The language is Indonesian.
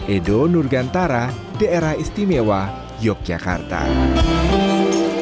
edo nurgantara daerah anggia merupakan seorang pemerintah yang berhasil menjaga keuntungan di negara dan negara lainnya